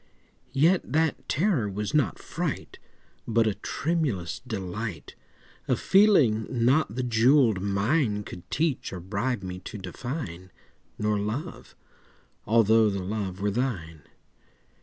Yet that terror was not fright, But a tremulous delight— A feeling not the jewelled mine Could teach or bribe me to define— Nor Love—although the Love were thine.